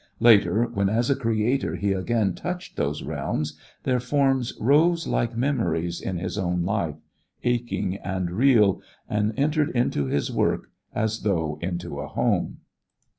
Later, when as a creator he again touched those realms, their forms rose like memories in his own life, aching and real, and entered into his work as though into a home.